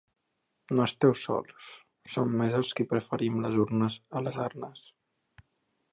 No esteu sols: som més els qui preferim les urnes a les arnes.